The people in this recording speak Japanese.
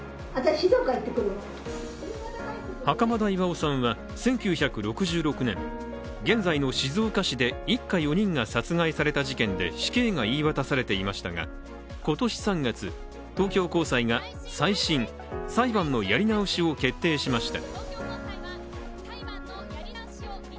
袴田巌さんは、１９６６年、現在の静岡市で一家４人が殺害された事件で死刑が言い渡されていましたが、今年３月、東京高裁がねつ造された可能性が高いと指摘していました。